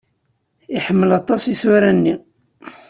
Iḥemmel aṭas isura-nni.